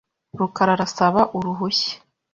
rukara arasaba uruhushya .